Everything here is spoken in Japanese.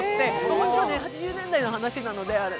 もちろん８０年代の話なのであれ